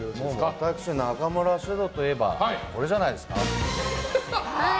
私、中村獅童といえばこれじゃないですか。